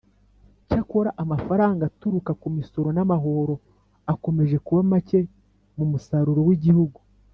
cyakora, amafaranga aturuka ku misoro n'amahoro akomeje kuba make mu musaruro w'igihugu.